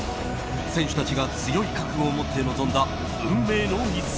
選手たちが強い覚悟を持って臨んだ運命の一戦。